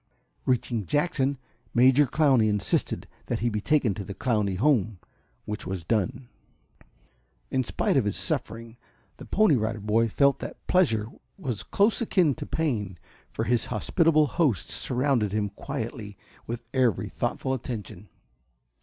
Reaching Jackson, Major Clowney insisted that he be taken to the Clowney home, which was done. In spite of his suffering, the Pony Rider Boy felt that pleasure was close akin to pain, for his hospitable hosts surrounded him quietly with every thoughtful attention.